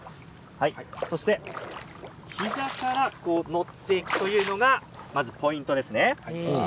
そして膝から乗っていくというのがポイントですね。